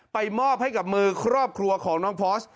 มอบให้กับมือครอบครัวของน้องพอร์ส